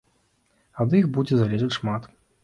Ад іх будзе залежаць шмат.